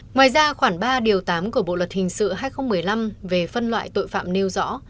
ngoài ra khoảng ba điều tám của bộ luật hình sự hai nghìn một mươi năm về phân loại tội phạm nêu rõ